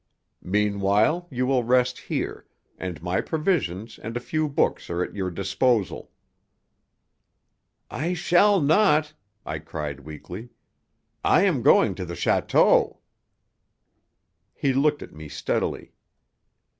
Meanwhile, you will rest here, and my provisions and a few books are at your disposal." "I shall not!" I cried weakly. "I am going on to the château!" He looked at me steadily.